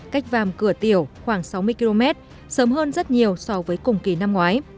cách vàm cửa tiểu khoảng sáu mươi km sớm hơn rất nhiều so với cùng kỳ năm ngoái